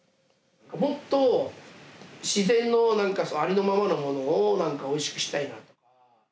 もっと自然のありのままのものをおいしくしたいなと。